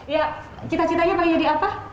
ya cita citanya mau jadi apa